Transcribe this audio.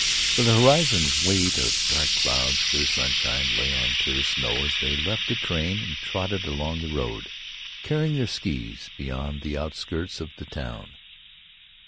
For all the horizon's weight of dark clouds, clear sunshine lay on clear snow as they left the train and trotted along the road, carrying their skees beyond the outskirts of the town.